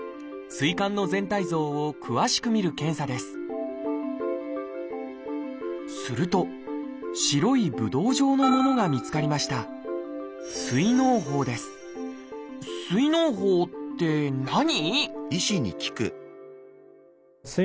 膵管の全体像を詳しくみる検査ですすると白いぶどう状のものが見つかりました「膵のう胞」って何？